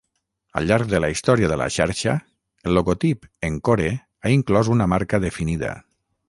Al llarg de la història de la xarxa, el logotip Encore ha inclòs una marca definida.